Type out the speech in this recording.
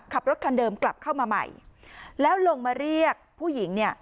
ขับรถคันเดิมกลับเข้ามาใหม่แล้วลงมาเรียกผู้หญิงเนี่ย